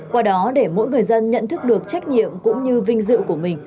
qua đó để mỗi người dân nhận thức được trách nhiệm cũng như vinh dự của mình